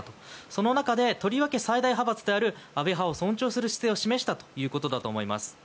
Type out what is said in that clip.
その中でとりわけ最大派閥である安倍派を尊重する姿勢を示したということだと思います。